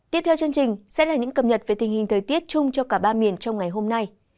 tiếp theo chương trình sẽ là những cập nhật về tình hình thời tiết chung cho cả ba miền trong ngày hôm nay